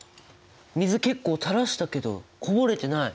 水結構たらしたけどこぼれてない！